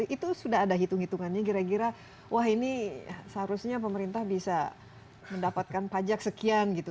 itu sudah ada hitung hitungannya kira kira wah ini seharusnya pemerintah bisa mendapatkan pajak sekian gitu